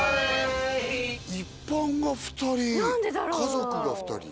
一般が２人家族が２人。